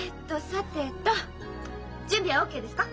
さてと準備はオーケーですか？